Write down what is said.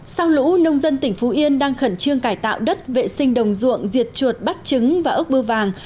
sau lũ nông dân tỉnh phú yên đang khẩn trương cải tạo đất vệ sinh đồng ruộng diệt chuột bắt trứng và ốc bưa vàng